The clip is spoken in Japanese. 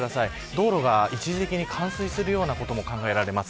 道路が一時的に冠水するようなことも考えられます。